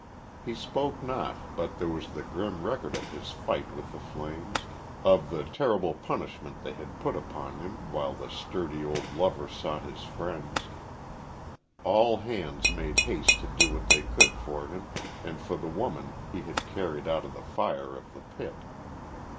He spoke not, but there was the grim record of his fight with the flames of the terrible punishment they had put upon him while the sturdy old lover sought his friends. All hands made haste to do what they could for him and for the woman he had carried out of the fire of the pit.